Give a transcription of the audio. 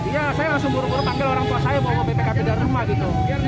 ya saya langsung buru buru panggil orang tua saya bawa bpkp dari rumah gitu